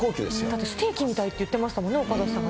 だってステーキみたいって言ってましたもんね、岡田さんが。